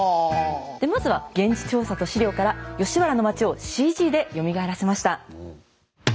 でまずは現地調査と史料から吉原の町をＣＧでよみがえらせました。